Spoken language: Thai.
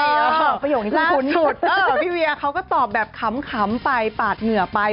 ล่าสุดพี่เวียเขาก็ตอบแบบขำไปปาดเหงื่อไป